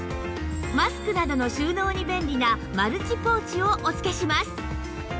マスクなどの収納に便利なマルチポーチをお付けします